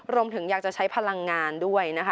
รวมถึงอยากจะใช้พลังงานด้วยนะคะ